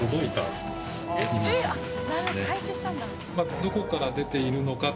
どこから出ているのかって